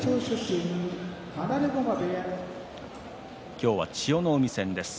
今日は千代の海戦です。